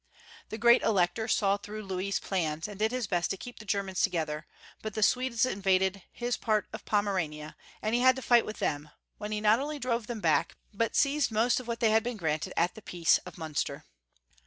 The Great Elector saw through Louis's plans, and did his best to keep the Germans together, but the Swedes invaded his part of Pomerania, and he had to fight with them, when he not only drove them back, but seized most of what they had been granted at the peace of Miinster.